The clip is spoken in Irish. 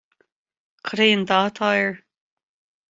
Cad é an dath atá air